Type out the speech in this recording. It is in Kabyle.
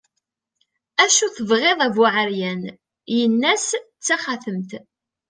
acu tebɣiḍ a bu ɛeryan, yenna-as d taxatemt